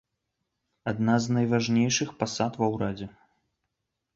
Адна з найважнейшых пасад ва ўрадзе.